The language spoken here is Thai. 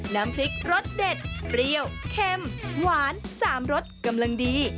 น้ำพริกรสเด็ดเปรี้ยวเค็มหวาน๓รสกำลังดี